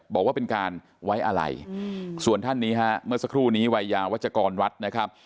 บอกว่าเป็นการไว้อะไรส่วนท่านนี้ฮะเมื่อสักครู่นี้วัยยาวัชกรวัดนะครับ